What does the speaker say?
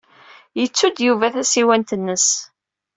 Yettu-d Yuba tasiwant-nnes.